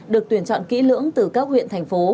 được tuyển chọn kỹ lưỡng từ các huyện thành phố